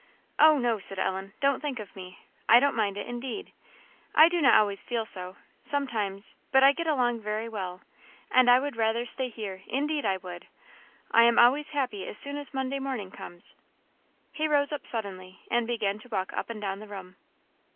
"Oh, no!" said Ellen, "don't think of me. I don't mind it, indeed. I do not always feel so sometimes but I get along very well; and I would rather stay here, indeed I would. I am always happy as soon as Monday morning comes." He rose up suddenly, and began to walk up and down the room.